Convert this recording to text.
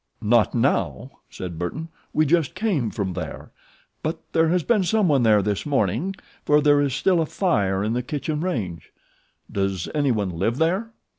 "Not now," said Burton; "we just came from there; but there has been someone there this morning, for there is still a fire in the kitchen range. Does anyone live there?"